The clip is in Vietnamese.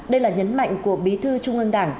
đây là nhấn mạnh của bí thư trung ương đảng